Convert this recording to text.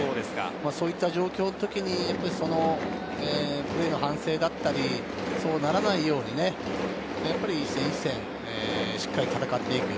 そういう状況のときに反省だったり、そうならないように一戦一戦しっかり戦っていく。